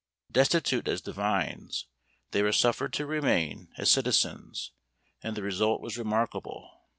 Destitute as divines, they were suffered to remain as citizens; and the result was remarkable.